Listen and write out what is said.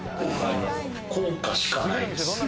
効果しかないです。